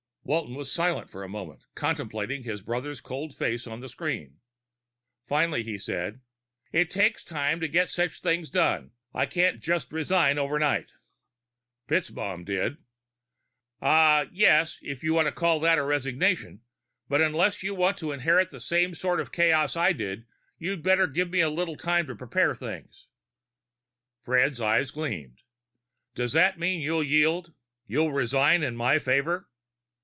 Walton was silent for a moment, contemplating his brother's cold face on the screen. Finally he said, "It takes time to get such things done. I can't just resign overnight." "FitzMaugham did." "Ah, yes if you call that a resignation. But unless you want to inherit the same sort of chaos I did, you'd better give me a little time to prepare things." Fred's eyes gleamed. "Does that mean you'll yield? You'll resign in my favor?"